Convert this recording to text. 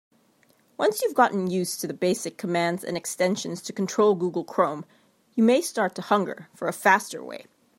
Once you've gotten used to the basic commands and extensions to control Google Chrome, you may start to hunger for a faster way.